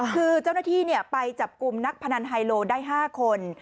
คือเจ้าหน้าที่ไปจับกลุ่มนักพนันไฮโลได้๕คน